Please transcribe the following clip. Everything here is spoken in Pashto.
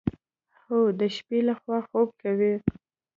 او د شپې لخوا خوب کوي.